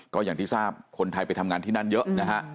ก็อย่างที่ทราบคนไทยไปทำงานที่นั่นเยอะนะฮะ